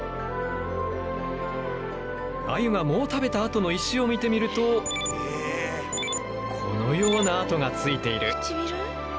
アユが藻を食べたあとの石を見てみるとこのような跡がついている。